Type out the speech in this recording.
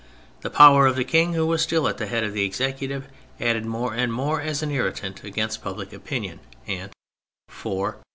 The power of the King, who was still at the head of the Executive, acted more and more as an irritant against public opinion, and — 4.